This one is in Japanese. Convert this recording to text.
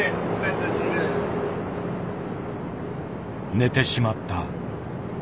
寝てしまった。